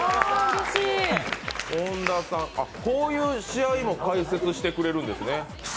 こういう試合も解説してくれるんですね。